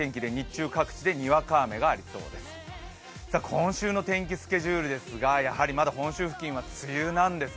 今週の天気スケジュールですがまだ本州付近は梅雨なんです。